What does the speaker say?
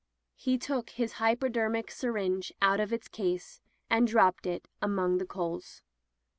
He took his h)rpodermic syringe out of its case and dropped it among the coals.